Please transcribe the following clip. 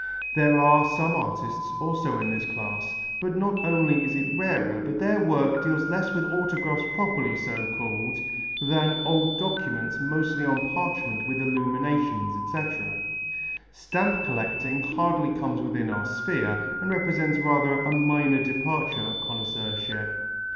There are some artists also in this class, but not only is it rarer, but their work deals less with autographs properly so called than old documents mostly on parchment with illuminations, etc. Stamp collecting hardly comes within our sphere, and represents rather a minor department of connoisseurship.